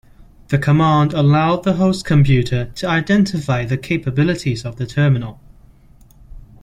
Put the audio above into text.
The command allowed the host computer to identify the capabilities of the terminal.